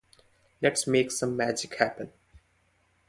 Let’s make some magic happen.